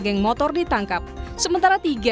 geng motor ditangkap sementara tiga